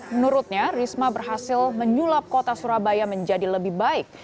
menurutnya risma berhasil menyulap kota surabaya menjadi lebih baik